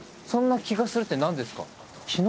そんな気がするって何ですか？